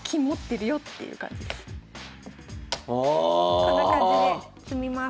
こんな感じで詰みます。